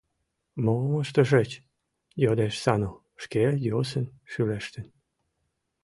Мом ыштышыч?.. — йодеш Сану, шке, йӧсын шӱлештын.